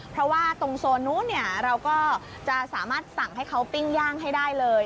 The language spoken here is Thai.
เพราะว่าตรงโซนนู้นเราก็จะสามารถสั่งให้เขาปิ้งย่างให้ได้เลย